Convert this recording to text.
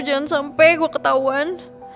aduh jangan sampe gua ketauan